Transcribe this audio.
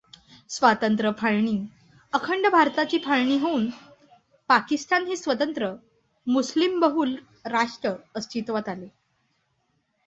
स्वातंत्र्य, फाळणी अखंड भारताची फाळणी होऊन पाकिस्तान हे स्वतंत्र मुस्लिमबहुल राष्ट्र अस्तित्वात आले.